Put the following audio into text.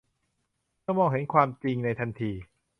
เธอมองเห็นความจริงในทันที